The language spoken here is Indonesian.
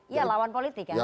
ya lawan politik ya